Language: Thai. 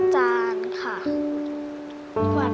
ช่วยล้างจานค่ะ